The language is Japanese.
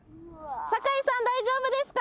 坂井さん大丈夫ですか？